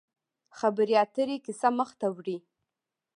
خبرې اترې کیسه مخ ته وړي.